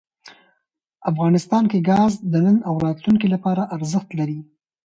افغانستان کې ګاز د نن او راتلونکي لپاره ارزښت لري.